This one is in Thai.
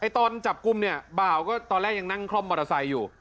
ตอนจับกลุ่มเนี่ยบ่าวก็ตอนแรกยังนั่งคล่อมมอเตอร์ไซค์อยู่